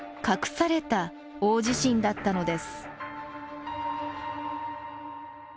隠された大地震だったのです。